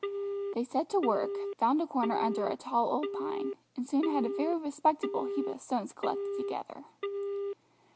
They set to work, found a corner under a tall old pine, and soon had a very respectable heap of stones collected together.